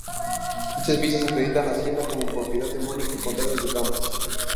Dichas fichas acreditan la hacienda como propiedad de Mónica Contreras de Campos.